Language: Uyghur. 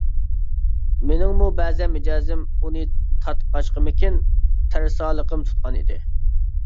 مېنىڭمۇ بەزەن مىجەزىم ئۇنى تارتقاچقىمىكىن، تەرسالىقىم تۇتقان ئىدى.